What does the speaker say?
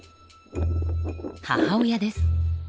母親です。